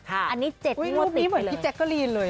อันนี้๗งวติดโอ้ยรูปนี้เหมือนพี่แจ็คก็ลีนเลย